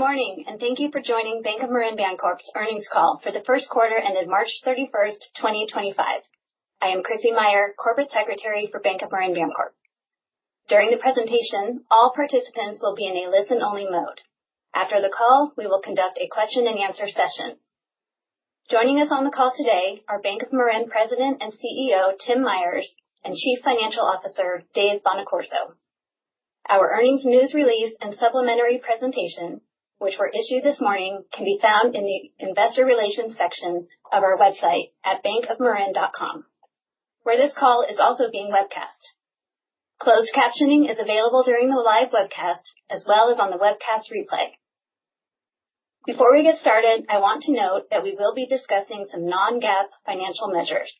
Good morning, and thank you for joining Bank of Marin Bancorp's Earnings Call for the First Quarter ended March 31, 2025. I am Krissy Meyer, Corporate Secretary for Bank of Marin Bancorp. During the presentation, all participants will be in a listen-only mode. After the call, we will conduct a question-and-answer session. Joining us on the call today are Bank of Marin President and CEO Tim Myers and Chief Financial Officer Dave Bonaccorso. Our earnings news release and supplementary presentation, which were issued this morning, can be found in the Investor Relations section of our website at bankofmarin.com, where this call is also being webcast. Closed captioning is available during the live webcast, as well as on the webcast replay. Before we get started, I want to note that we will be discussing some non-GAAP financial measures.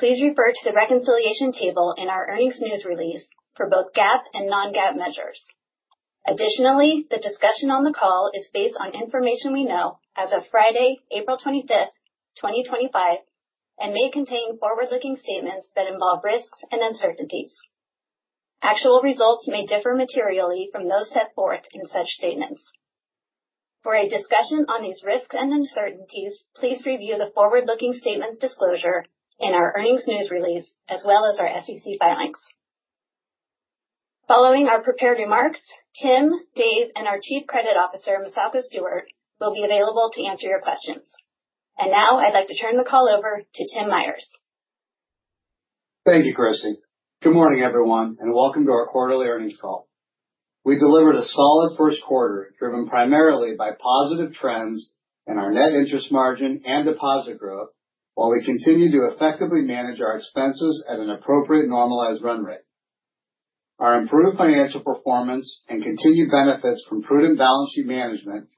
Please refer to the reconciliation table in our earnings news release for both GAAP and non-GAAP measures. Additionally, the discussion on the call is based on information we know as of Friday, April 25, 2025, and may contain forward-looking statements that involve risks and uncertainties. Actual results may differ materially from those set forth in such statements. For a discussion on these risks and uncertainties, please review the forward-looking statements disclosure in our earnings news release, as well as our SEC filings. Following our prepared remarks, Tim, Dave, and our Chief Credit Officer, Misako Stewart, will be available to answer your questions. I would like to turn the call over to Tim Myers. Thank you, Krissy. Good morning, everyone, and welcome to our quarterly earnings call. We delivered a solid first quarter, driven primarily by positive trends in our net interest margin and deposit growth, while we continue to effectively manage our expenses at an appropriate normalized run rate. Our improved financial performance and continued benefits from prudent balance sheet management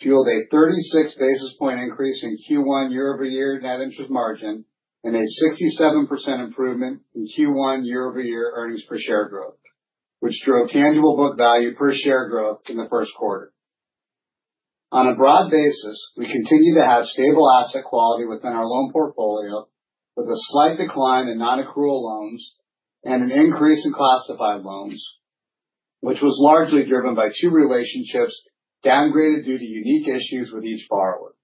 fueled a 36 basis point increase in Q1 year-over-year net interest margin, and a 67% improvement in Q1 year-over-year earnings per share growth, which drove tangible book value per share growth in the first quarter. On a broad basis, we continue to have stable asset quality within our loan portfolio, with a slight decline in non-accrual loans and an increase in classified loans, which was largely driven by two relationships downgraded due to unique issues with each borrower.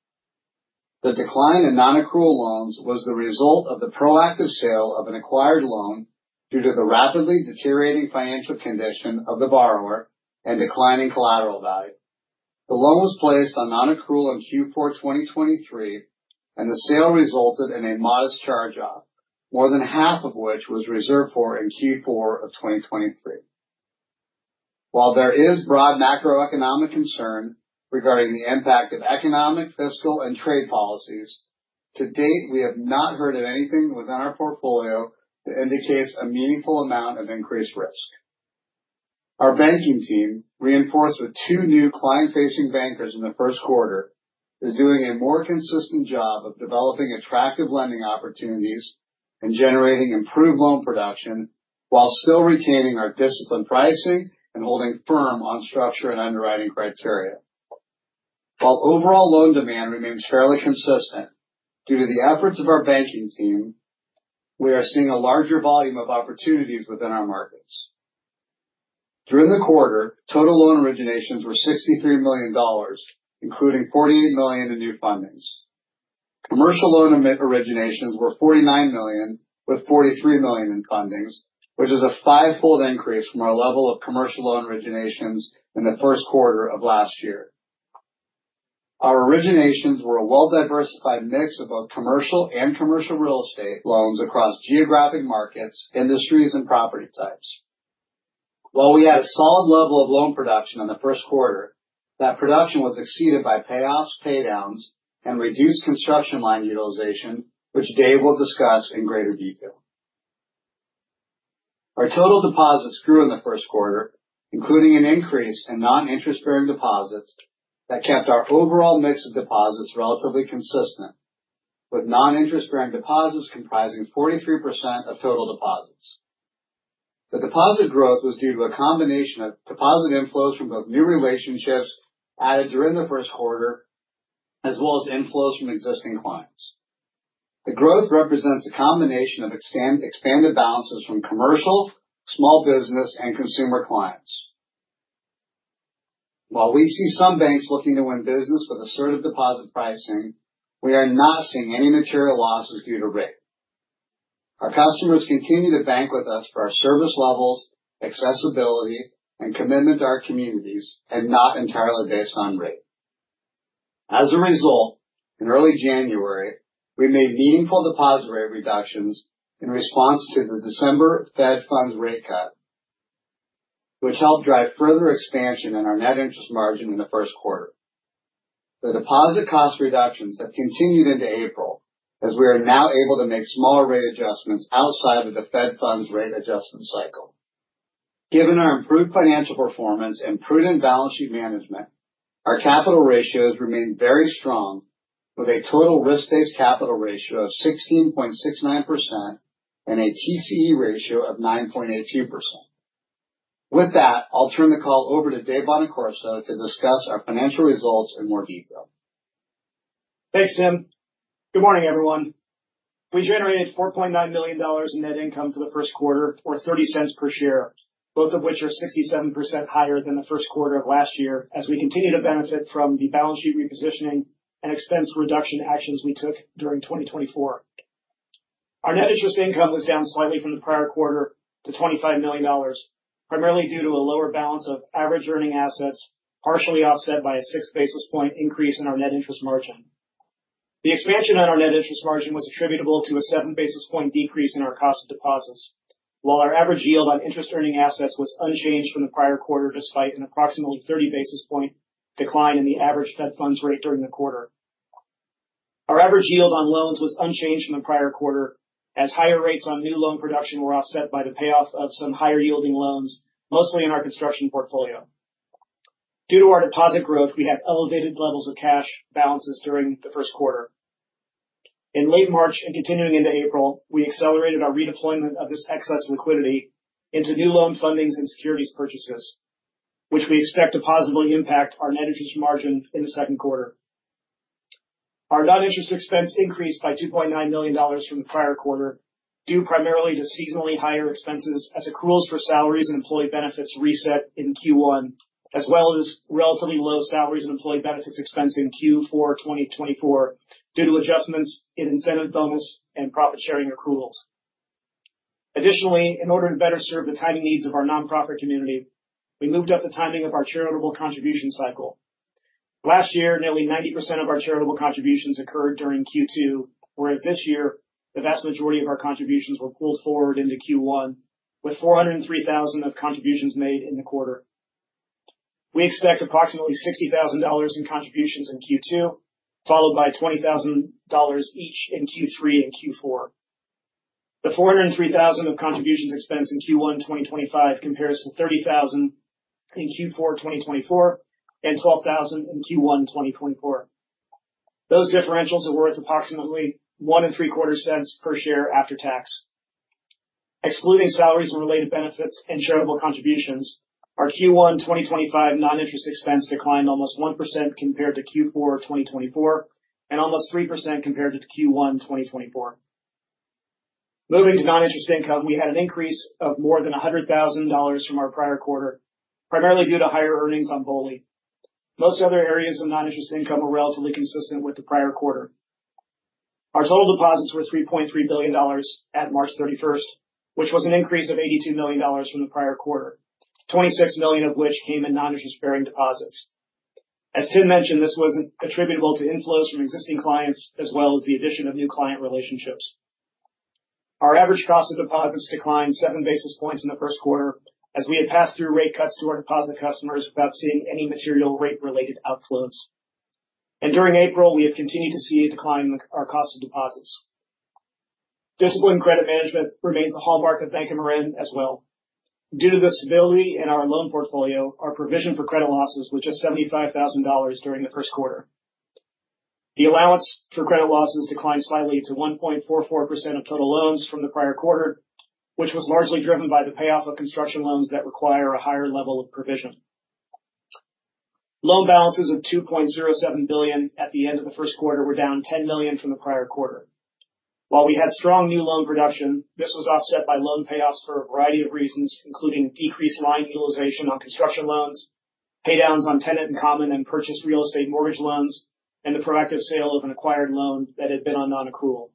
The decline in non-accrual loans was the result of the proactive sale of an acquired loan due to the rapidly deteriorating financial condition of the borrower and declining collateral value. The loan was placed on non-accrual in Q4 2023, and the sale resulted in a modest charge-off, more than half of which was reserved for in Q4 2023. While there is broad macroeconomic concern regarding the impact of economic, fiscal, and trade policies, to date, we have not heard of anything within our portfolio that indicates a meaningful amount of increased risk. Our banking team, reinforced with two new client-facing bankers in the first quarter, is doing a more consistent job of developing attractive lending opportunities and generating improved loan production while still retaining our disciplined pricing and holding firm on structure and underwriting criteria. While overall loan demand remains fairly consistent due to the efforts of our banking team, we are seeing a larger volume of opportunities within our markets. During the quarter, total loan originations were $63 million, including $48 million in new fundings. Commercial loan originations were $49 million, with $43 million in fundings, which is a fivefold increase from our level of commercial loan originations in the first quarter of last year. Our originations were a well-diversified mix of both commercial and commercial real estate loans across geographic markets, industries, and property types. While we had a solid level of loan production in the first quarter, that production was exceeded by payoffs, paydowns, and reduced construction line utilization, which Dave will discuss in greater detail. Our total deposits grew in the first quarter, including an increase in non-interest-bearing deposits that kept our overall mix of deposits relatively consistent, with non-interest-bearing deposits comprising 43% of total deposits. The deposit growth was due to a combination of deposit inflows from both new relationships added during the first quarter, as well as inflows from existing clients. The growth represents a combination of expanded balances from commercial, small business, and consumer clients. While we see some banks looking to win business with assertive deposit pricing, we are not seeing any material losses due to rate. Our customers continue to bank with us for our service levels, accessibility, and commitment to our communities, and not entirely based on rate. As a result, in early January, we made meaningful deposit rate reductions in response to the December Fed funds rate cut, which helped drive further expansion in our net interest margin in the first quarter. The deposit cost reductions have continued into April, as we are now able to make smaller rate adjustments outside of the Fed funds rate adjustment cycle. Given our improved financial performance and prudent balance sheet management, our capital ratios remain very strong, with a total risk-based capital ratio of 16.69% and a TCE ratio of 9.18%. With that, I'll turn the call over to Dave Bonaccorso to discuss our financial results in more detail. Thanks, Tim. Good morning, everyone. We generated $4.9 million in net income for the first quarter, or $0.30 per share, both of which are 67% higher than the first quarter of last year, as we continue to benefit from the balance sheet repositioning and expense reduction actions we took during 2024. Our net interest income was down slightly from the prior quarter to $25 million, primarily due to a lower balance of average earning assets, partially offset by a six basis point increase in our net interest margin. The expansion on our net interest margin was attributable to a seven basis point decrease in our cost of deposits, while our average yield on interest-earning assets was unchanged from the prior quarter, despite an approximately 30 basis point decline in the average Fed funds rate during the quarter. Our average yield on loans was unchanged from the prior quarter, as higher rates on new loan production were offset by the payoff of some higher-yielding loans, mostly in our construction portfolio. Due to our deposit growth, we had elevated levels of cash balances during the first quarter. In late March and continuing into April, we accelerated our redeployment of this excess liquidity into new loan fundings and securities purchases, which we expect to positively impact our net interest margin in the second quarter. Our non-interest expense increased by $2.9 million from the prior quarter, due primarily to seasonally higher expenses as accruals for salaries and employee benefits reset in Q1, as well as relatively low salaries and employee benefits expense in Q4 2024, due to adjustments in incentive bonus and profit-sharing accruals. Additionally, in order to better serve the timely needs of our nonprofit community, we moved up the timing of our charitable contribution cycle. Last year, nearly 90% of our charitable contributions occurred during Q2, whereas this year, the vast majority of our contributions were pulled forward into Q1, with $403,000 of contributions made in the quarter. We expect approximately $60,000 in contributions in Q2, followed by $20,000 each in Q3 and Q4. The $403,000 of contributions expense in Q1 2025 compares to $30,000 in Q4 2024 and $12,000 in Q1 2024. Those differentials are worth approximately $0.013 per share after tax. Excluding salaries and related benefits and charitable contributions, our Q1 2025 non-interest expense declined almost 1% compared to Q4 2024 and almost 3% compared to Q1 2024. Moving to non-interest income, we had an increase of more than $100,000 from our prior quarter, primarily due to higher earnings on BOLI. Most other areas of non-interest income were relatively consistent with the prior quarter. Our total deposits were $3.3 billion at March 31st, which was an increase of $82 million from the prior quarter, $26 million of which came in non-interest-bearing deposits. As Tim mentioned, this was attributable to inflows from existing clients, as well as the addition of new client relationships. Our average cost of deposits declined seven basis points in the first quarter, as we had passed through rate cuts to our deposit customers without seeing any material rate-related outflows. During April, we have continued to see a decline in our cost of deposits. Discipline credit management remains a hallmark of Bank of Marin as well. Due to the stability in our loan portfolio, our provision for credit losses was just $75,000 during the first quarter. The allowance for credit losses declined slightly to 1.44% of total loans from the prior quarter, which was largely driven by the payoff of construction loans that require a higher level of provision. Loan balances of $2.07 billion at the end of the first quarter were down $10 million from the prior quarter. While we had strong new loan production, this was offset by loan payoffs for a variety of reasons, including decreased line utilization on construction loans, paydowns on tenants in common and purchased real estate mortgage loans, and the proactive sale of an acquired loan that had been on non-accrual.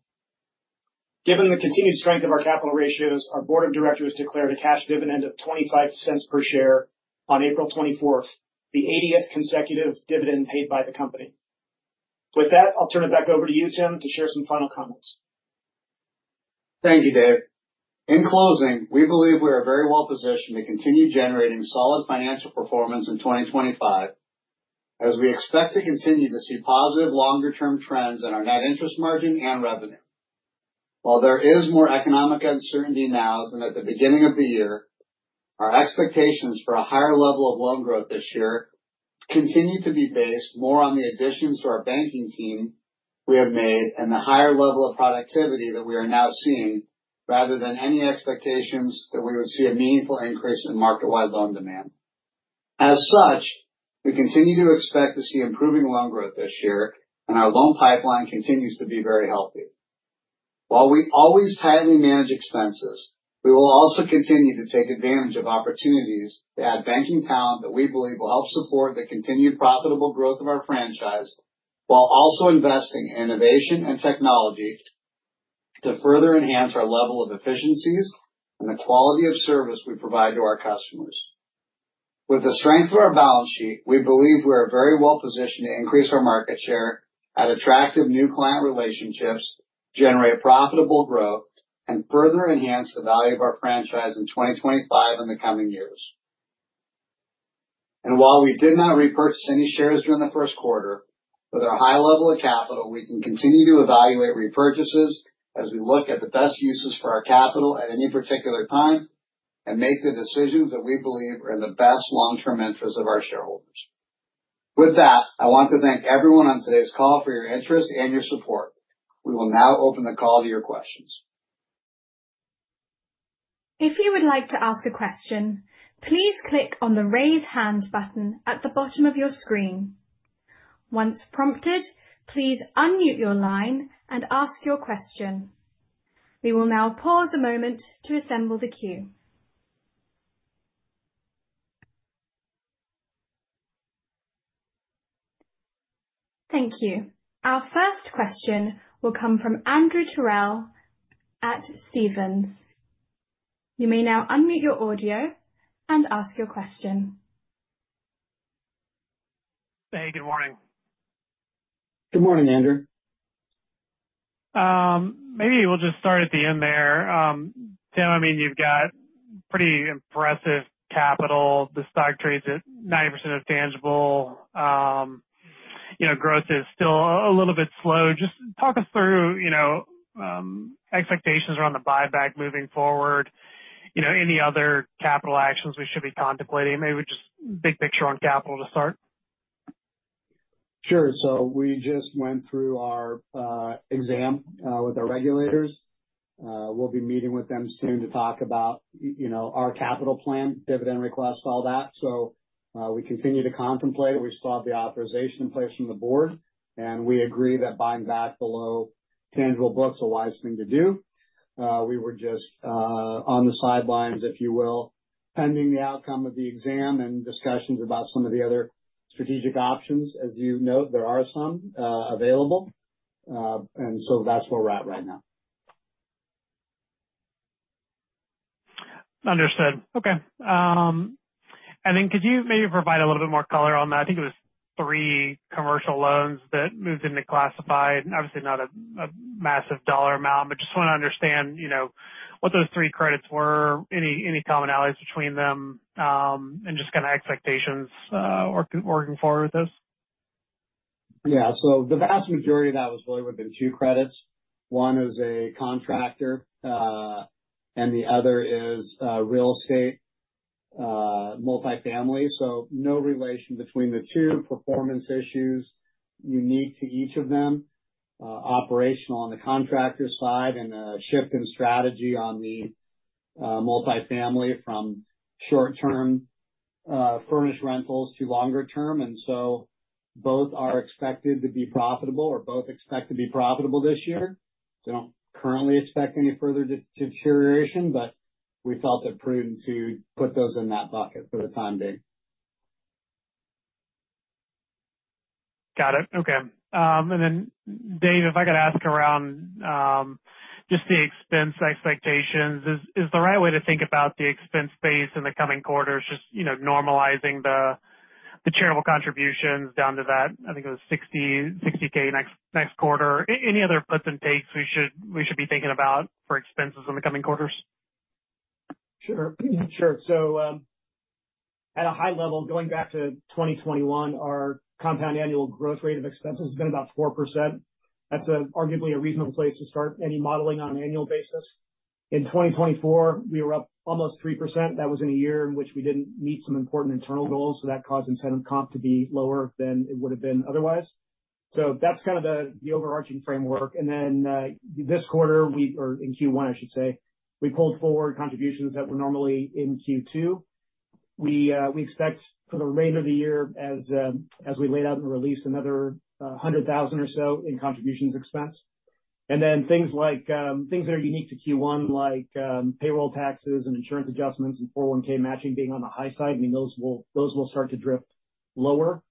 Given the continued strength of our capital ratios, our Board of Directors declared a cash dividend of $0.25 per share on April 24th, the 80th consecutive dividend paid by the company. With that, I'll turn it back over to you, Tim, to share some final comments. Thank you, Dave. In closing, we believe we are very well positioned to continue generating solid financial performance in 2025, as we expect to continue to see positive longer-term trends in our net interest margin and revenue. While there is more economic uncertainty now than at the beginning of the year, our expectations for a higher level of loan growth this year continue to be based more on the additions to our banking team we have made and the higher level of productivity that we are now seeing, rather than any expectations that we would see a meaningful increase in market-wide loan demand. As such, we continue to expect to see improving loan growth this year, and our loan pipeline continues to be very healthy. While we always tightly manage expenses, we will also continue to take advantage of opportunities to add banking talent that we believe will help support the continued profitable growth of our franchise, while also investing in innovation and technology to further enhance our level of efficiencies and the quality of service we provide to our customers. With the strength of our balance sheet, we believe we are very well positioned to increase our market share, add attractive new client relationships, generate profitable growth, and further enhance the value of our franchise in 2025 and the coming years. While we did not repurchase any shares during the first quarter, with our high level of capital, we can continue to evaluate repurchases as we look at the best uses for our capital at any particular time and make the decisions that we believe are in the best long-term interest of our shareholders. With that, I want to thank everyone on today's call for your interest and your support. We will now open the call to your questions. If you would like to ask a question, please click on the raise hand button at the bottom of your screen. Once prompted, please unmute your line and ask your question. We will now pause a moment to assemble the queue. Thank you. Our first question will come from Andrew Terrell at Stephens. You may now unmute your audio and ask your question. Hey, good morning. Good morning, Andrew. Maybe we'll just start at the end there. Tim, I mean, you've got pretty impressive capital. The stock trades at 90% of tangible. Growth is still a little bit slow. Just talk us through expectations around the buyback moving forward. Any other capital actions we should be contemplating? Maybe just big picture on capital to start? Sure. We just went through our exam with our regulators. We'll be meeting with them soon to talk about our capital plan, dividend request, all that. We continue to contemplate. We still have the authorization in place from the board, and we agree that buying back below tangible book is a wise thing to do. We were just on the sidelines, if you will, pending the outcome of the exam and discussions about some of the other strategic options. As you note, there are some available, and that's where we're at right now. Understood. Okay. Could you maybe provide a little bit more color on that? I think it was three commercial loans that moved into classified, obviously not a massive dollar amount, but just want to understand what those three credits were, any commonalities between them, and just kind of expectations working forward with this. Yeah. The vast majority of that was really within two credits. One is a contractor, and the other is real estate, multifamily. No relation between the two, performance issues unique to each of them, operational on the contractor side and a shift in strategy on the multifamily from short-term furnished rentals to longer-term. Both are expected to be profitable or both expect to be profitable this year. They do not currently expect any further deterioration, but we felt it prudent to put those in that bucket for the time being. Got it. Okay. Dave, if I could ask around just the expense expectations, is the right way to think about the expense base in the coming quarters just normalizing the charitable contributions down to that, I think it was $60,000 next quarter? Any other puts and takes we should be thinking about for expenses in the coming quarters? Sure. Sure. At a high level, going back to 2021, our compound annual growth rate of expenses has been about 4%. That's arguably a reasonable place to start any modeling on an annual basis. In 2024, we were up almost 3%. That was in a year in which we did not meet some important internal goals, so that caused incentive comp to be lower than it would have been otherwise. That's kind of the overarching framework. This quarter, or in Q1, I should say, we pulled forward contributions that were normally in Q2. We expect for the remainder of the year, as we laid out, and released another $100,000 or so in contributions expense. Things that are unique to Q1, like payroll taxes and insurance adjustments and 401(k) matching being on the high side, I mean, those will start to drift lower.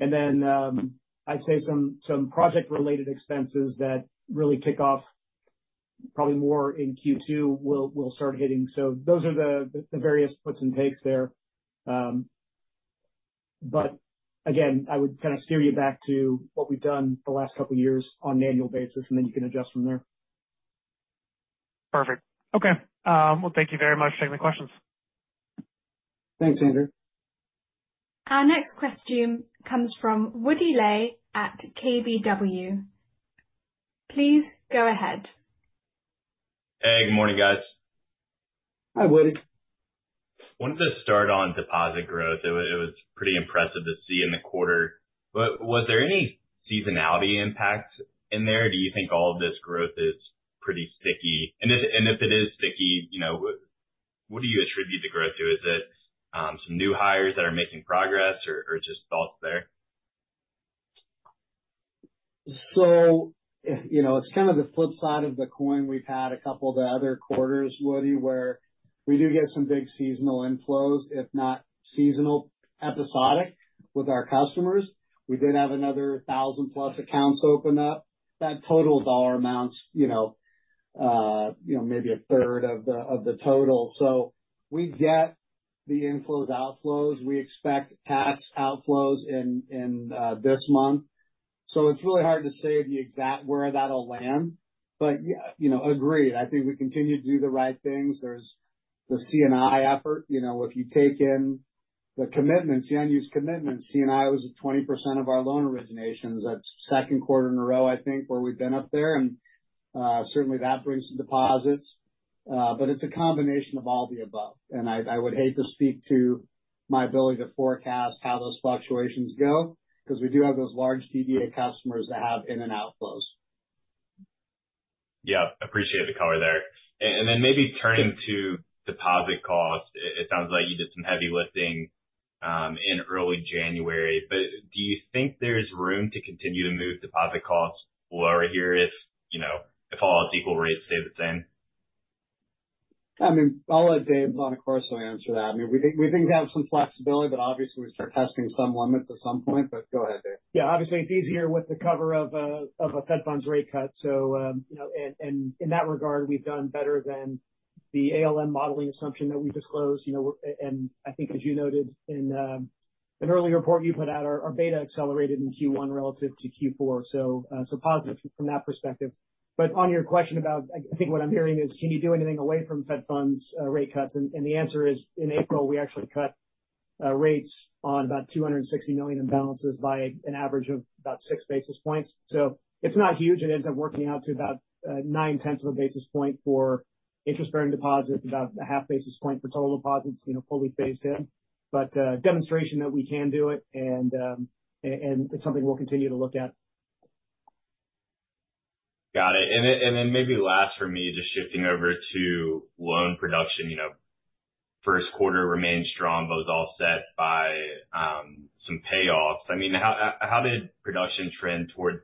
I would say some project-related expenses that really kick off probably more in Q2 will start hitting. Those are the various puts and takes there. Again, I would kind of steer you back to what we have done the last couple of years on an annual basis, and then you can adjust from there. Perfect. Okay. Thank you very much for taking the questions. Thanks, Andrew. Our next question comes from Woody Lay at KBW. Please go ahead. Hey, good morning, guys. Hi, Woody. Wanted to start on deposit growth. It was pretty impressive to see in the quarter. Was there any seasonality impact in there? Do you think all of this growth is pretty sticky? If it is sticky, what do you attribute the growth to? Is it some new hires that are making progress, or just thoughts there? It's kind of the flip side of the coin. We've had a couple of other quarters, Woody, where we do get some big seasonal inflows, if not seasonal, episodic with our customers. We did have another 1,000+ accounts open up. That total dollar amount is maybe a third of the total. We get the inflows, outflows. We expect tax outflows in this month. It's really hard to say where that'll land. Agreed, I think we continue to do the right things. There's the C&I effort. If you take in the commitments, the unused commitments, C&I was at 20% of our loan originations that second quarter in a row, I think, where we've been up there. Certainly, that brings some deposits. It's a combination of all the above. I would hate to speak to my ability to forecast how those fluctuations go because we do have those large DDA customers that have in and outflows. Yep. Appreciate the color there. Maybe turning to deposit costs, it sounds like you did some heavy lifting in early January. Do you think there's room to continue to move deposit costs lower here if all at equal rates stay the same? I mean, I'll let Dave Bonaccorso answer that. I mean, we think we have some flexibility, but obviously, we start testing some limits at some point. Go ahead, Dave. Yeah. Obviously, it's easier with the cover of a Fed funds rate cut. In that regard, we've done better than the ALM modeling assumption that we disclosed. I think, as you noted in an early report you put out, our beta accelerated in Q1 relative to Q4. Positive from that perspective. On your question about, I think what I'm hearing is, can you do anything away from Fed funds rate cuts? The answer is, in April, we actually cut rates on about $260 million in balances by an average of about six basis points. It's not huge. It ends up working out to about 9/10 of a basis point for interest-bearing deposits, about a half basis point for total deposits, fully phased in. Demonstration that we can do it, and it's something we'll continue to look at. Got it. Maybe last for me, just shifting over to loan production. First quarter remained strong, but it was all set by some payoffs. I mean, how did production trend toward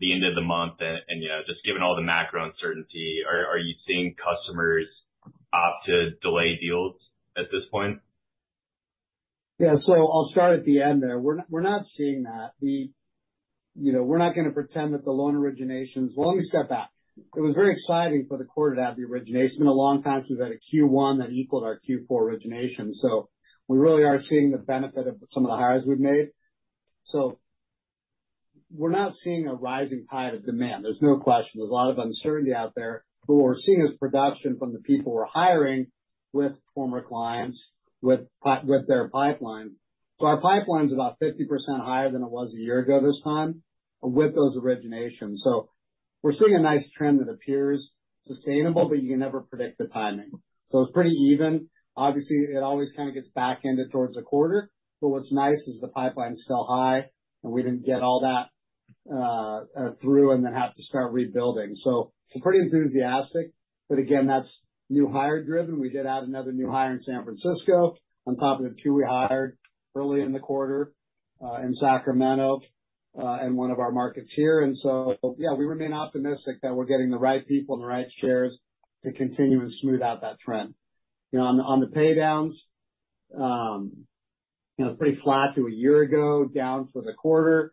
the end of the month? Just given all the macro uncertainty, are you seeing customers opt to delay deals at this point? Yeah. I'll start at the end there. We're not seeing that. We're not going to pretend that the loan originations—let me step back. It was very exciting for the quarter to have the origination. It's been a long time since we've had a Q1 that equaled our Q4 origination. We really are seeing the benefit of some of the hires we've made. We're not seeing a rising tide of demand. There's no question. There's a lot of uncertainty out there. What we're seeing is production from the people we're hiring with former clients, with their pipelines. Our pipeline is about 50% higher than it was a year ago this time with those originations. We're seeing a nice trend that appears sustainable, but you can never predict the timing. It's pretty even. Obviously, it always kind of gets backended towards the quarter. What's nice is the pipeline's still high, and we didn't get all that through and then have to start rebuilding. We are pretty enthusiastic. Again, that's new hire driven. We did add another new hire in San Francisco on top of the two we hired early in the quarter in Sacramento and one of our markets here. We remain optimistic that we're getting the right people and the right shares to continue and smooth out that trend. On the paydowns, it's pretty flat to a year ago, down for the quarter.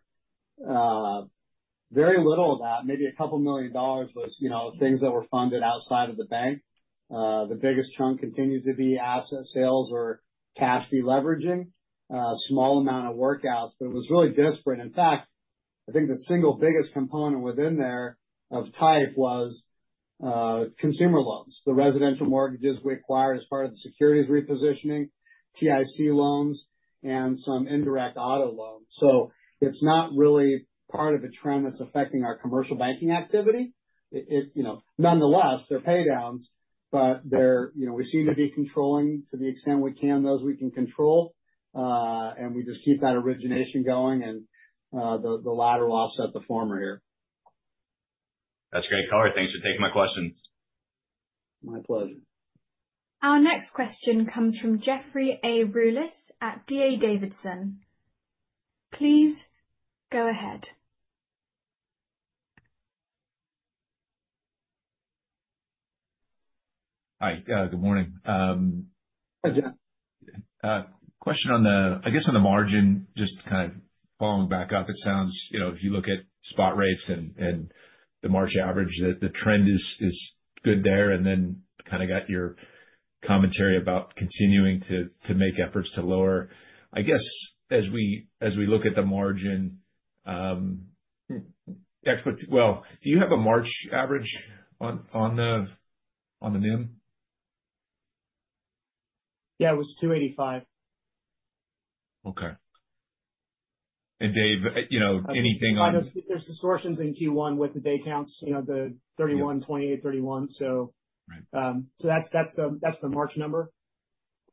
Very little of that, maybe a couple million dollars, was things that were funded outside of the bank. The biggest chunk continues to be asset sales or cash deleveraging, small amount of workouts. It was really disparate. In fact, I think the single biggest component within there of type was consumer loans, the residential mortgages we acquired as part of the securities repositioning, TIC loans, and some indirect auto loans. It is not really part of a trend that is affecting our commercial banking activity. Nonetheless, they are paydowns, but we seem to be controlling to the extent we can those we can control. We just keep that origination going and the lateral offset the former here. That's great color. Thanks for taking my question. My pleasure. Our next question comes from Jeffrey A. Rulis at D.A. Davidson. Please go ahead. Hi. Good morning. Hi, Jeff. Question on the, I guess, on the margin, just kind of following back up. It sounds if you look at spot rates and the March average, the trend is good there. And then kind of got your commentary about continuing to make efforts to lower. I guess as we look at the margin, do you have a March average on the NIM? Yeah. It was 285. Okay. Dave, anything on? There's distortions in Q1 with the day counts, the 31, 28, 31. That is the March number.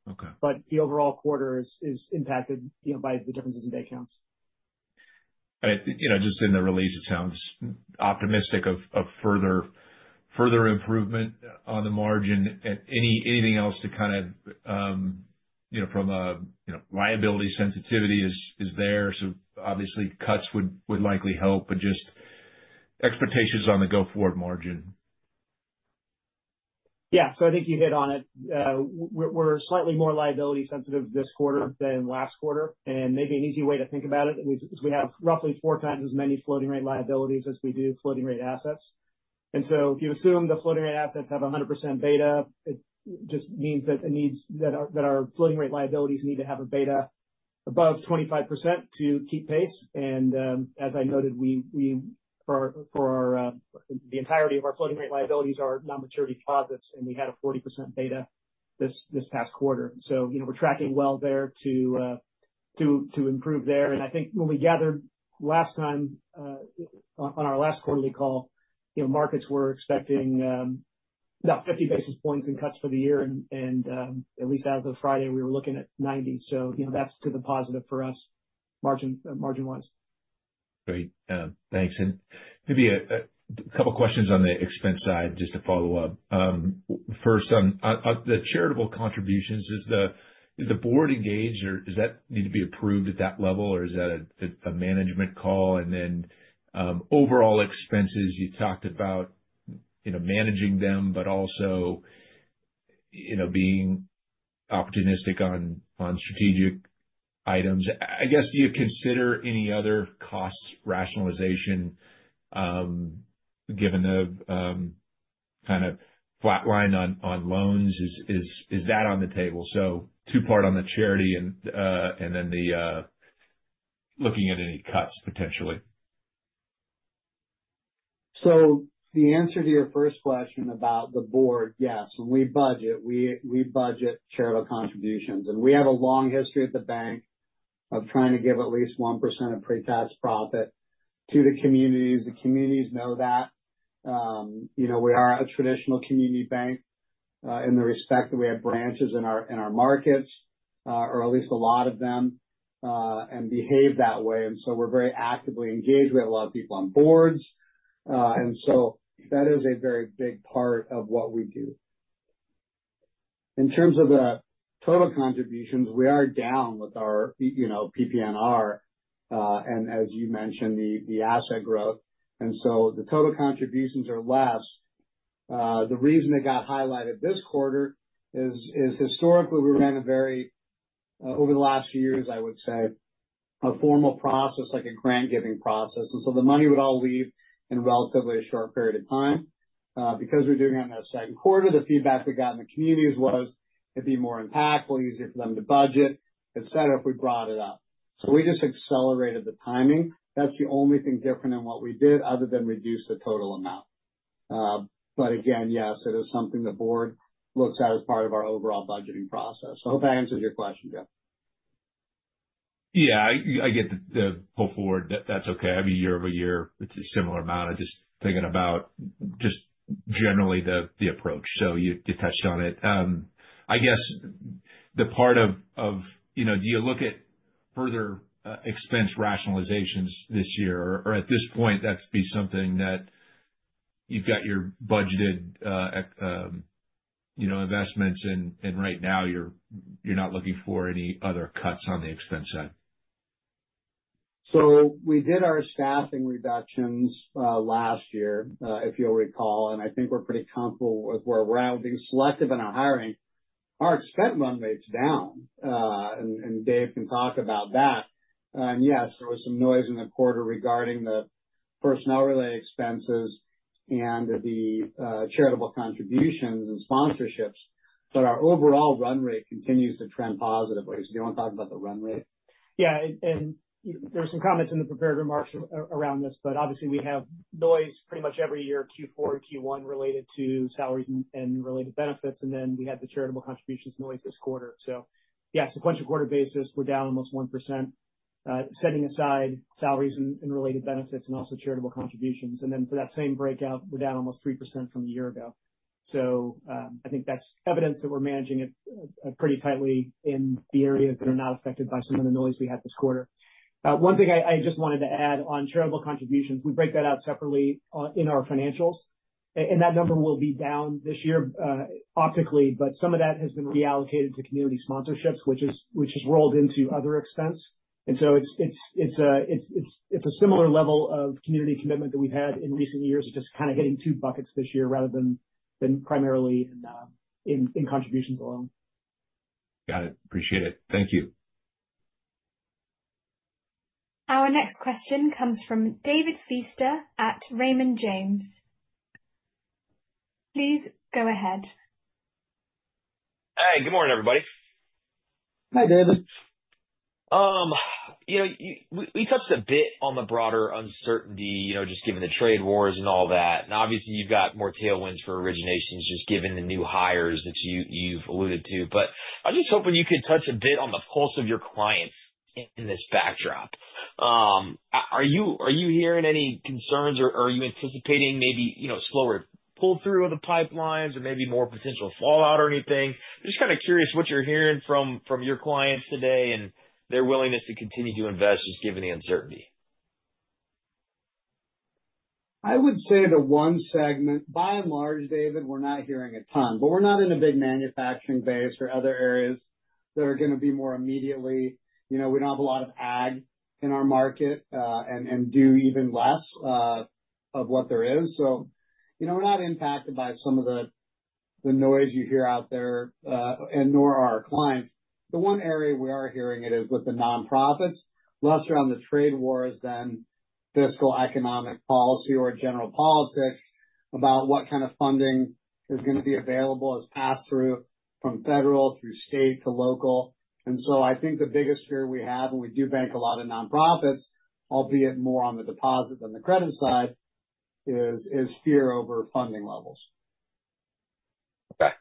The overall quarter is impacted by the differences in day counts. Just in the release, it sounds optimistic of further improvement on the margin. Anything else to kind of from a liability sensitivity is there. Obviously, cuts would likely help. Just expectations on the go-forward margin. Yeah. I think you hit on it. We're slightly more liability sensitive this quarter than last quarter. Maybe an easy way to think about it is we have roughly 4x as many floating rate liabilities as we do floating rate assets. If you assume the floating rate assets have 100% beta, it just means that our floating rate liabilities need to have a beta above 25% to keep pace. As I noted, the entirety of our floating rate liabilities are non-maturity deposits, and we had a 40% beta this past quarter. We're tracking well there to improve. I think when we gathered last time on our last quarterly call, markets were expecting about 50 basis points in cuts for the year. At least as of Friday, we were looking at 90. That's to the positive for us margin-wise. Great. Thanks. Maybe a couple of questions on the expense side, just to follow up. First, on the charitable contributions, is the board engaged? Or does that need to be approved at that level, or is that a management call? Overall expenses, you talked about managing them, but also being opportunistic on strategic items. I guess, do you consider any other cost rationalization given the kind of flat line on loans? Is that on the table? Two-part on the charity and then looking at any cuts potentially. The answer to your first question about the board, yes. When we budget, we budget charitable contributions. We have a long history at the bank of trying to give at least 1% of pre-tax profit to the communities. The communities know that. We are a traditional community bank in the respect that we have branches in our markets, or at least a lot of them, and behave that way. We are very actively engaged. We have a lot of people on boards. That is a very big part of what we do. In terms of the total contributions, we are down with our PPNR and, as you mentioned, the asset growth. The total contributions are less. The reason it got highlighted this quarter is historically, we ran a very, over the last few years, I would say, a formal process, like a grant-giving process. The money would all leave in relatively a short period of time. Because we're doing it in our second quarter, the feedback we got in the communities was it'd be more impactful, easier for them to budget, etc., if we brought it up. We just accelerated the timing. That's the only thing different in what we did other than reduce the total amount. Again, yes, it is something the board looks at as part of our overall budgeting process. I hope that answers your question, Jeff. Yeah. I get the—before that's okay. I mean, year-over-year, it's a similar amount. I'm just thinking about just generally the approach. You touched on it. I guess the part of—do you look at further expense rationalizations this year? At this point, that's to be something that you've got your budgeted investments. Right now, you're not looking for any other cuts on the expense side? We did our staffing reductions last year, if you'll recall. I think we're pretty comfortable with where we're at. We're being selective in our hiring. Our expense run rate's down. Dave can talk about that. Yes, there was some noise in the quarter regarding the personnel-related expenses and the charitable contributions and sponsorships. Our overall run rate continues to trend positively. Do you want to talk about the run rate? Yeah. There were some comments in the prepared remarks around this. Obviously, we have noise pretty much every year, Q4 and Q1, related to salaries and related benefits. We had the charitable contributions noise this quarter. On a sequential quarter basis, we're down almost 1%, setting aside salaries and related benefits and also charitable contributions. For that same breakout, we're down almost 3% from a year ago. I think that's evidence that we're managing it pretty tightly in the areas that are not affected by some of the noise we had this quarter. One thing I just wanted to add on charitable contributions, we break that out separately in our financials. That number will be down this year optically. Some of that has been reallocated to community sponsorships, which has rolled into other expense. It's a similar level of community commitment that we've had in recent years. It's just kind of hitting two buckets this year rather than primarily in contributions alone. Got it. Appreciate it. Thank you. Our next question comes from David Feaster at Raymond James. Please go ahead. Hey. Good morning, everybody. Hi, David. We touched a bit on the broader uncertainty, just given the trade wars and all that. Obviously, you've got more tailwinds for originations just given the new hires that you've alluded to. I was just hoping you could touch a bit on the pulse of your clients in this backdrop. Are you hearing any concerns, or are you anticipating maybe slower pull-through of the pipelines or maybe more potential fallout or anything? Just kind of curious what you're hearing from your clients today and their willingness to continue to invest just given the uncertainty. I would say the one segment, by and large, David, we're not hearing a ton. We're not in a big manufacturing base or other areas that are going to be more immediately. We don't have a lot of ag in our market and do even less of what there is. We're not impacted by some of the noise you hear out there, nor are our clients. The one area we are hearing it is with the nonprofits, less around the trade wars than fiscal economic policy or general politics about what kind of funding is going to be available as pass-through from federal through state to local. I think the biggest fear we have, and we do bank a lot of nonprofits, albeit more on the deposit than the credit side, is fear over funding levels. Okay.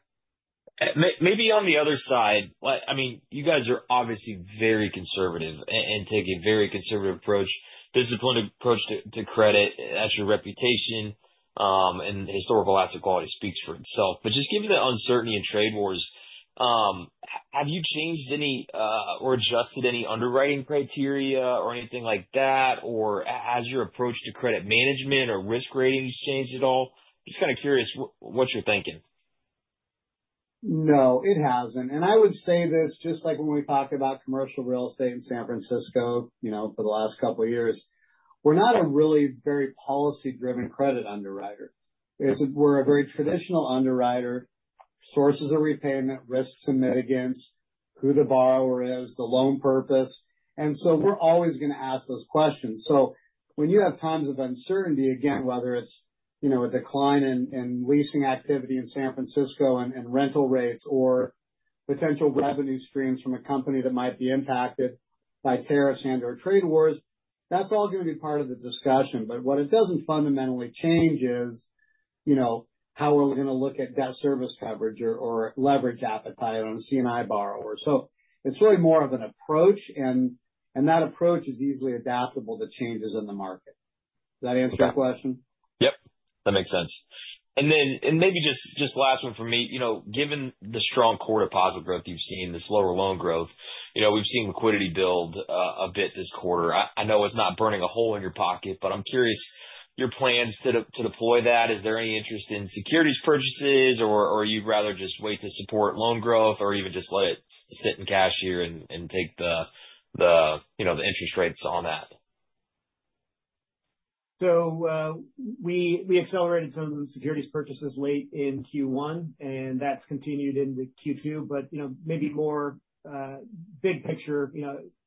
Maybe on the other side, I mean, you guys are obviously very conservative and take a very conservative approach, disciplined approach to credit. That's your reputation. And historical asset quality speaks for itself. Just given the uncertainty in trade wars, have you changed any or adjusted any underwriting criteria or anything like that? Or has your approach to credit management or risk ratings changed at all? Just kind of curious what you're thinking. No, it hasn't. I would say this, just like when we talk about commercial real estate in San Francisco for the last couple of years, we're not a really very policy-driven credit underwriter. We're a very traditional underwriter, sources of repayment, risks and mitigants, who the borrower is, the loan purpose. We're always going to ask those questions. When you have times of uncertainty, again, whether it's a decline in leasing activity in San Francisco and rental rates or potential revenue streams from a company that might be impacted by tariffs and/or trade wars, that's all going to be part of the discussion. What it doesn't fundamentally change is how we're going to look at debt service coverage or leverage appetite on a C&I borrower. It's really more of an approach. That approach is easily adaptable to changes in the market. Does that answer your question? Yep. That makes sense. Maybe just last one for me. Given the strong core deposit growth you've seen, the slower loan growth, we've seen liquidity build a bit this quarter. I know it's not burning a hole in your pocket. I'm curious, your plans to deploy that? Is there any interest in securities purchases, or you'd rather just wait to support loan growth or even just let it sit in cash here and take the interest rates on that? We accelerated some of those securities purchases late in Q1. That has continued into Q2. Maybe more big picture,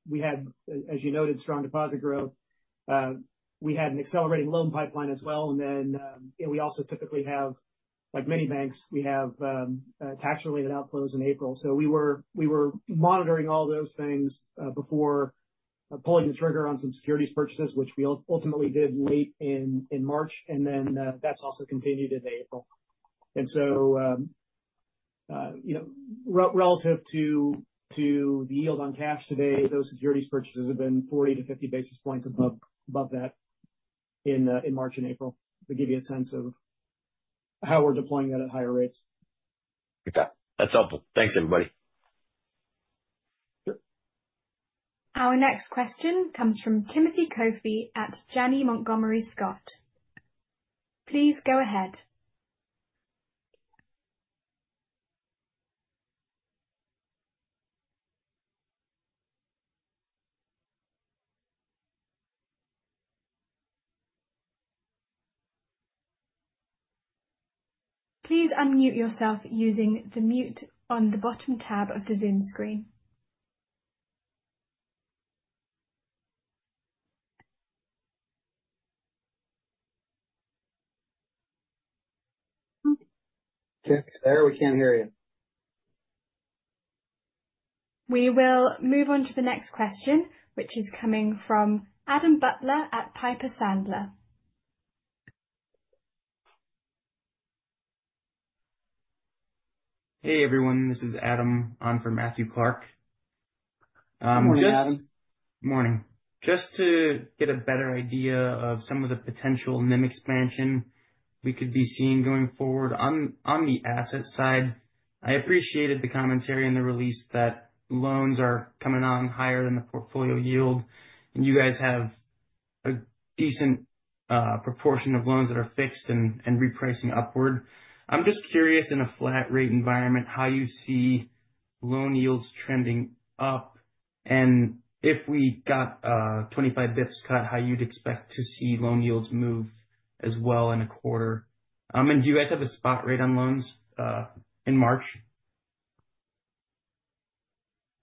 we had, as you noted, strong deposit growth. We had an accelerating loan pipeline as well. We also typically have, like many banks, tax-related outflows in April. We were monitoring all those things before pulling the trigger on some securities purchases, which we ultimately did late in March. That has also continued into April. Relative to the yield on cash today, those securities purchases have been 40-50 basis points above that in March and April to give you a sense of how we are deploying that at higher rates. Okay. That's helpful. Thanks, everybody. Our next question comes from Timothy Coffey at Janney Montgomery Scott. Please go ahead. Please unmute yourself using the mute on the bottom tab of the zoom screen. Can you hear me there? We can't hear you. We will move on to the next question, which is coming from Adam Butler at Piper Sandler. Hey, everyone. This is Adam, on for Matthew Clark. Good morning, Adam. Good morning. Just to get a better idea of some of the potential NIM expansion we could be seeing going forward on the asset side, I appreciated the commentary in the release that loans are coming on higher than the portfolio yield. You guys have a decent proportion of loans that are fixed and repricing upward. I'm just curious, in a flat rate environment, how you see loan yields trending up. If we got 25 basis points cut, how you'd expect to see loan yields move as well in a quarter. Do you guys have a spot rate on loans in March?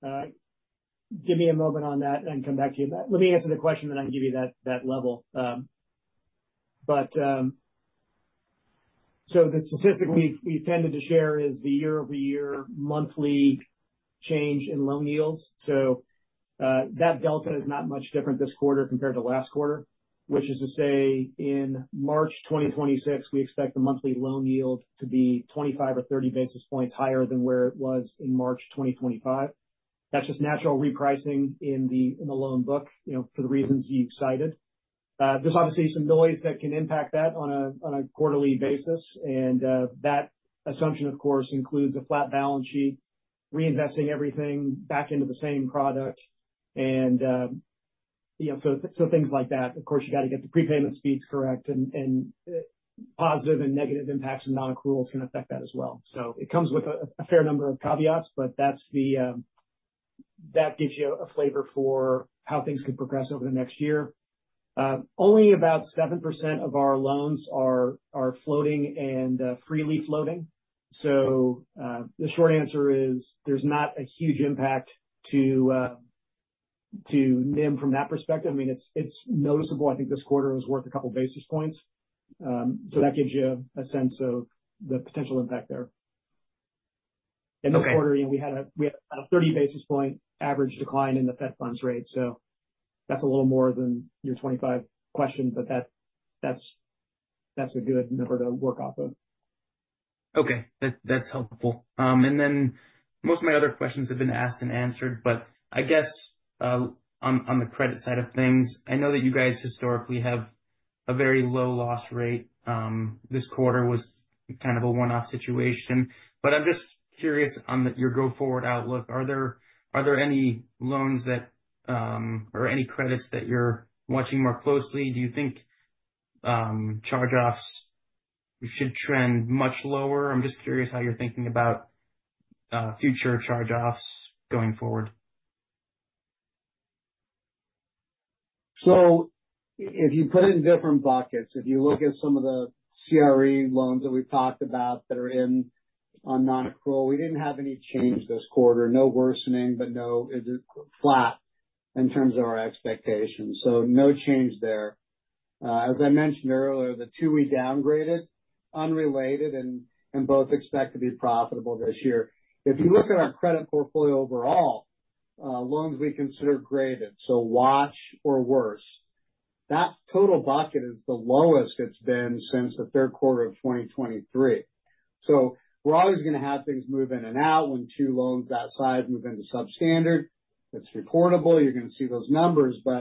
Give me a moment on that and come back to you. Let me answer the question, then I can give you that level. The statistic we've tended to share is the year-over-year monthly change in loan yields. That delta is not much different this quarter compared to last quarter. Which is to say, in March 2026, we expect the monthly loan yield to be 25 or 30 basis points higher than where it was in March 2025. That is just natural repricing in the loan book for the reasons you cited. There is obviously some noise that can impact that on a quarterly basis. That assumption, of course, includes a flat balance sheet, reinvesting everything back into the same product. Things like that. Of course, you got to get the prepayment speeds correct. Positive and negative impacts of non-accruals can affect that as well. It comes with a fair number of caveats. That gives you a flavor for how things could progress over the next year. Only about 7% of our loans are floating and freely floating. The short answer is there's not a huge impact to NIM from that perspective. I mean, it's noticeable. I think this quarter was worth a couple of basis points. That gives you a sense of the potential impact there. In this quarter, we had a 30 basis point average decline in the Fed funds rate. That's a little more than your 25 question. That's a good number to work off of. Okay. That's helpful. Most of my other questions have been asked and answered. I guess on the credit side of things, I know that you guys historically have a very low loss rate. This quarter was kind of a one-off situation. I'm just curious on your go-forward outlook. Are there any loans or any credits that you're watching more closely? Do you think charge-offs should trend much lower? I'm just curious how you're thinking about future charge-offs going forward. If you put it in different buckets, if you look at some of the CRE loans that we've talked about that are in on non-accrual, we didn't have any change this quarter. No worsening, but flat in terms of our expectations. No change there. As I mentioned earlier, the two we downgraded are unrelated and both expect to be profitable this year. If you look at our credit portfolio overall, loans we consider graded, so watch or worse, that total bucket is the lowest it's been since the third quarter of 2023. We're always going to have things move in and out when two loans outside move into substandard. It's reportable. You're going to see those numbers. We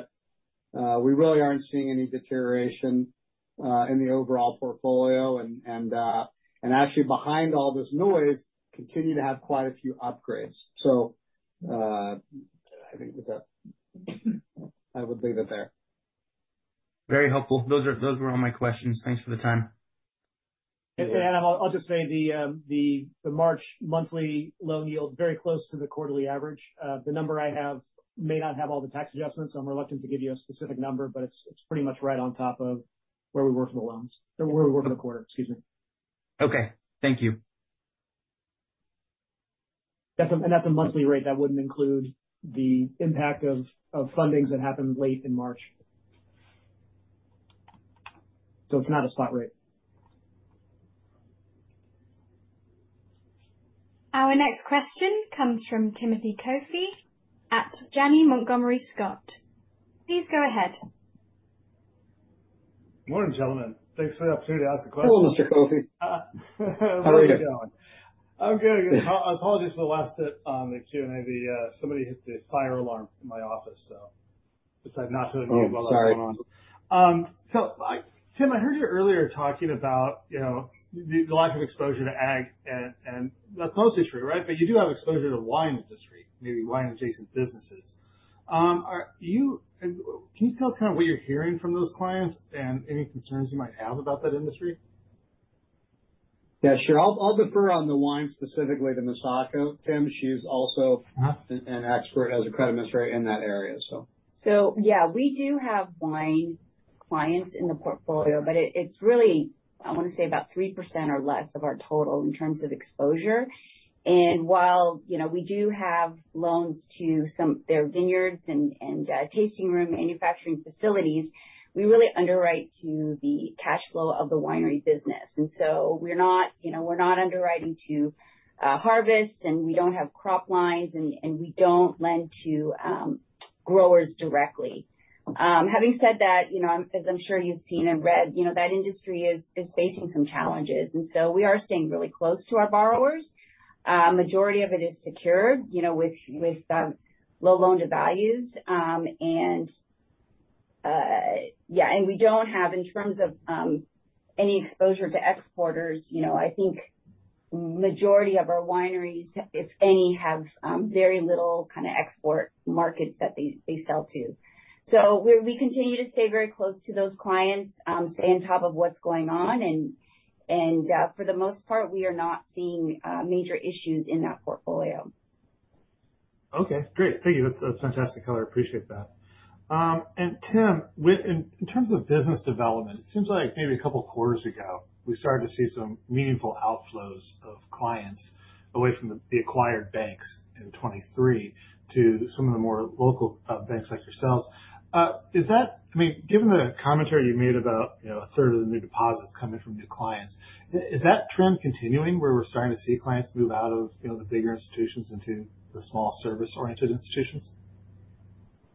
really aren't seeing any deterioration in the overall portfolio. Actually, behind all this noise, continue to have quite a few upgrades. I think I would leave it there. Very helpful. Those were all my questions. Thanks for the time. I'll just say the March monthly loan yield, very close to the quarterly average. The number I have may not have all the tax adjustments. I'm reluctant to give you a specific number. It's pretty much right on top of where we were for the loans or where we were for the quarter. Excuse me. Okay. Thank you. That's a monthly rate that wouldn't include the impact of fundings that happened late in March. It is not a spot rate. Our next question comes from Timothy Coffey at Janney Montgomery Scott. Please go ahead. Good morning, gentlemen. Thanks for the opportunity to ask a question. Hello, Mr. Coffey. How are you doing? I'm good. I apologize for the last bit on the Q&A. Somebody hit the fire alarm in my office, so I decided not to unmute while it was going on. Sorry. Tim, I heard you earlier talking about the lack of exposure to ag. And that's mostly true, right? But you do have exposure to the wine industry, maybe wine-adjacent businesses. Can you tell us kind of what you're hearing from those clients and any concerns you might have about that industry? Yeah, sure. I'll defer on the wine specifically to Misako. Tim, she's also an expert as a credit administrator in that area, so. Yeah, we do have wine clients in the portfolio. But it's really, I want to say, about 3% or less of our total in terms of exposure. And while we do have loans to some of their vineyards and tasting room manufacturing facilities, we really underwrite to the cash flow of the winery business. And so we're not underwriting to harvest. And we don't have crop lines. And we don't lend to growers directly. Having said that, as I'm sure you've seen and read, that industry is facing some challenges. And so we are staying really close to our borrowers. The majority of it is secured with low loan-to-values. And yeah, and we don't have, in terms of any exposure to exporters, I think the majority of our wineries, if any, have very little kind of export markets that they sell to. We continue to stay very close to those clients, stay on top of what's going on. And for the most part, we are not seeing major issues in that portfolio. Okay. Great. Thank you. That's fantastic color. I appreciate that. Tim, in terms of business development, it seems like maybe a couple of quarters ago, we started to see some meaningful outflows of clients away from the acquired banks in 2023 to some of the more local banks like yourselves. I mean, given the commentary you made about a third of the new deposits coming from new clients, is that trend continuing where we're starting to see clients move out of the bigger institutions into the small service-oriented institutions?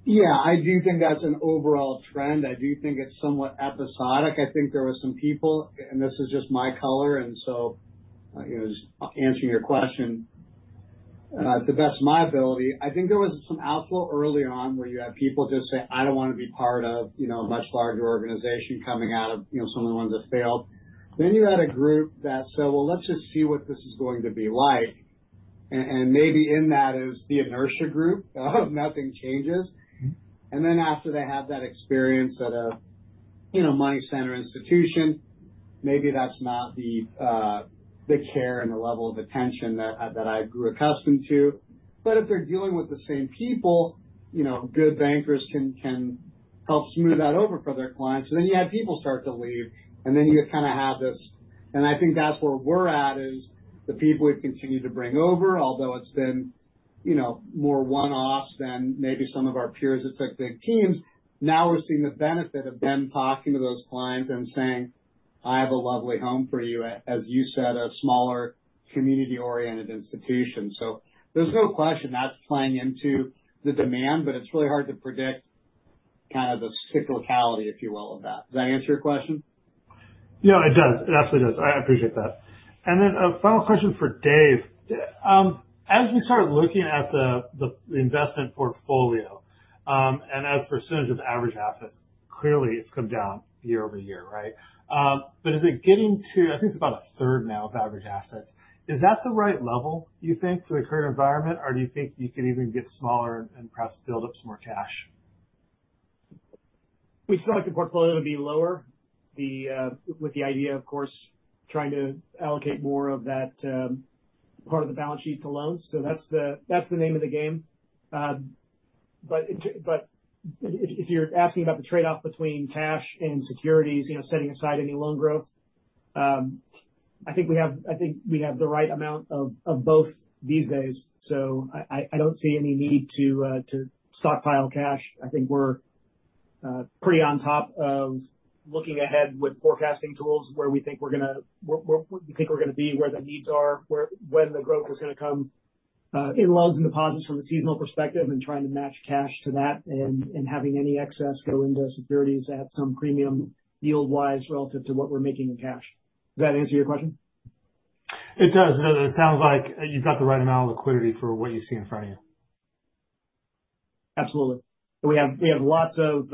Yeah. I do think that's an overall trend. I do think it's somewhat episodic. I think there were some people, and this is just my color. And so answering your question to the best of my ability, I think there was some outflow early on where you had people just say, "I don't want to be part of a much larger organization coming out of some of the ones that failed." You had a group that said, "Let's just see what this is going to be like." Maybe in that is the inertia group of nothing changes. After they have that experience at a money-centered institution, maybe that's not the care and the level of attention that I grew accustomed to. If they're dealing with the same people, good bankers can help smooth that over for their clients. You had people start to leave. You kind of have this. I think that's where we're at is the people we've continued to bring over. Although it's been more one-offs than maybe some of our peers that took big teams, now we're seeing the benefit of them talking to those clients and saying, "I have a lovely home for you," as you said, a smaller community-oriented institution. There is no question that's playing into the demand. It's really hard to predict kind of the cyclicality, if you will, of that. Does that answer your question? Yeah, it does. It absolutely does. I appreciate that. A final question for Dave. As we started looking at the investment portfolio and as percentage of average assets, clearly it has come down year over year, right? Is it getting to, I think it is about a third now of average assets. Is that the right level, you think, for the current environment? Do you think you could even get smaller and perhaps build up some more cash? We still like the portfolio to be lower with the idea, of course, trying to allocate more of that part of the balance sheet to loans. That is the name of the game. If you're asking about the trade-off between cash and securities, setting aside any loan growth, I think we have the right amount of both these days. I do not see any need to stockpile cash. I think we're pretty on top of looking ahead with forecasting tools where we think we're going to be, where the needs are, when the growth is going to come in loans and deposits from a seasonal perspective, and trying to match cash to that and having any excess go into securities at some premium yield-wise relative to what we're making in cash. Does that answer your question? It does. It does. It sounds like you've got the right amount of liquidity for what you see in front of you. Absolutely. We have lots of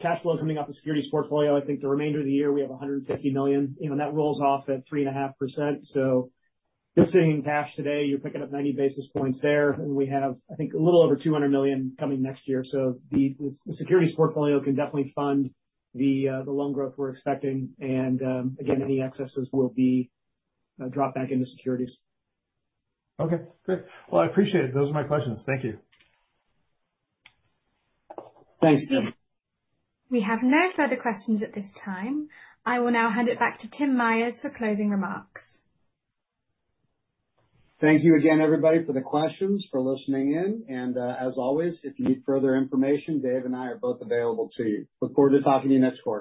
cash flow coming off the securities portfolio. I think the remainder of the year we have $150 million. That rolls off at 3.5%. You are sitting in cash today. You are picking up 90 basis points there. We have, I think, a little over $200 million coming next year. The securities portfolio can definitely fund the loan growth we are expecting. Any excesses will be dropped back into securities. Okay. Great. I appreciate it. Those are my questions. Thank you. Thanks, Tim. We have no further questions at this time. I will now hand it back to Tim Myers for closing remarks. Thank you again, everybody, for the questions, for listening in. As always, if you need further information, Dave and I are both available to you. Look forward to talking to you next quarter.